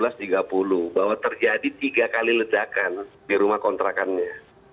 sekali ledakan di rumah kontrakannya